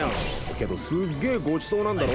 けどすっげえごちそうなんだろ？